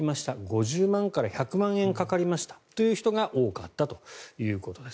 ５０万から１００万かかりましたという人が多かったということです。